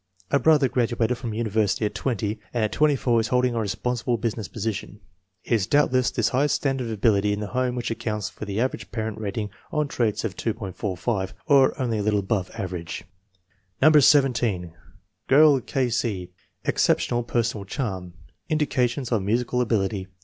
A brother graduated from university at 0, and at 24 is holding a responsible business position. It is doubtless this high standard of ability in the home which accounts for the average parent rating on traits of 2.45, or only a little above "average," 218 INTELLIGENCE OF SCHOOL CHILDREN No. 17. Girl: K. C. Exceptional personal charm. Indications of musical ability.